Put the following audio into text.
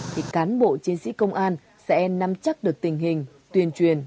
thì cán bộ chiến sĩ công an sẽ nắm chắc được tình hình tuyên truyền